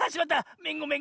めんごめんご。